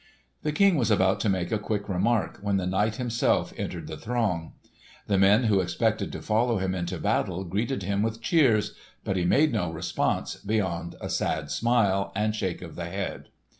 The King was about to make a quick remark, when the knight himself entered the throng. The men who expected to follow him into battle greeted him with cheers, but he made no response beyond a sad smile and shake of the head.